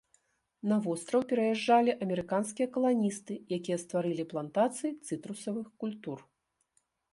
На востраў пераязджалі амерыканскія каланісты, якія стварылі плантацыі цытрусавых культур.